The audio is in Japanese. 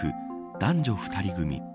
男女２人組。